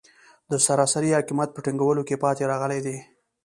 د سراسري حاکمیت په ټینګولو کې پاتې راغلي دي.